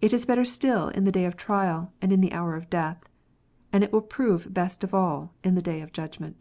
It is better still in the day of trial, and the hour of death. And it will prove best of all in the day of judgm